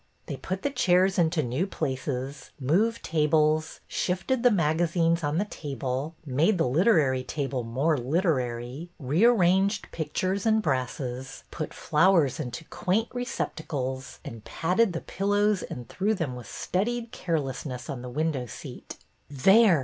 They put the chairs into new places, moved tables, shifted the magazines on the table, made the '' literary table " more '' literary," rearranged pictures and brasses, put flowers into quaint receptacles, and patted the pillows and threw them with studied carelessness on the window seat. There